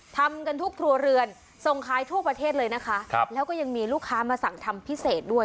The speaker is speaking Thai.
ทำกันทุกครัวเรือนส่งขายทั่วประเทศเลยนะคะครับแล้วก็ยังมีลูกค้ามาสั่งทำพิเศษด้วย